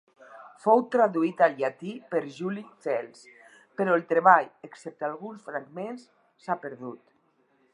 Fou traduït al llatí per Juli Cels, però el treball, excepte alguns fragments, s'ha perdut.